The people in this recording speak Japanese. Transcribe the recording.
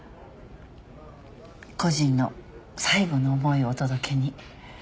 故人の最期の思いをお届けに。